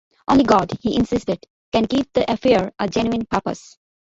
"Only God," he insisted, "can give the affair a genuine purpose.